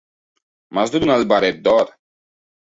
M'has de donar el barret d'or.